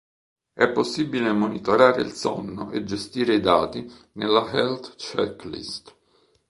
È possibile monitorare il sonno e gestire i dati nella Health Checklist.